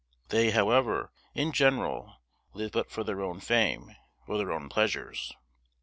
They, however, in general, live but for their own fame, or their own pleasures.